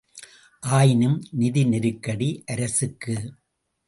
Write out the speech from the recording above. ஆயினும், நிதி நெருக்கடி அரசுக்கு!